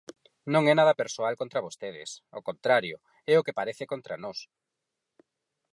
Non é nada persoal contra vostedes, ao contrario, é o que parece contra nós.